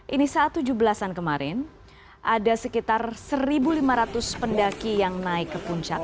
ini saat tujuh belas an kemarin ada sekitar satu lima ratus pendaki yang naik ke puncak